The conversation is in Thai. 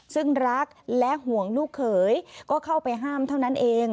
ซึ่งรักและห่วงลูกเขยก็เข้าไปห้ามเท่านั้นเอง